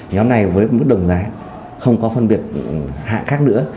nhóm này với mức đồng giá không có phân biệt hạ khác nữa